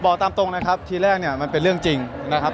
บอกตามตรงนะครับทีแรกเนี่ยมันเป็นเรื่องจริงนะครับ